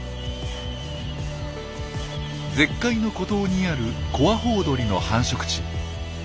絶海の孤島にあるコアホウドリの繁殖地。